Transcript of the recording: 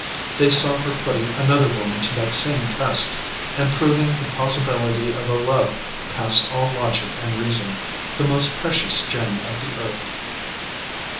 They saw her putting another woman to that same test, and prov ing the possibility of a love past all logic and rea son, the most precious gem of the earth.